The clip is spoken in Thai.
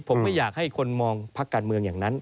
ผมไม่อยากให้คนมองพักการเมืองอย่างนั้น